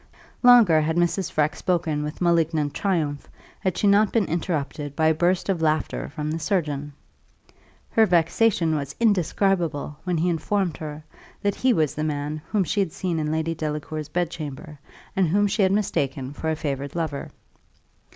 Longer had Mrs. Freke spoken with malignant triumph, had she not been interrupted by a burst of laughter from the surgeon. Her vexation was indescribable when he informed her, that he was the man whom she had seen in Lady Delacour's bedchamber, and whom she had mistaken for a favoured lover.